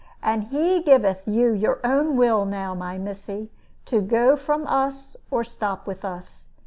And He giveth you your own will now, my missy to go from us or to stop with us.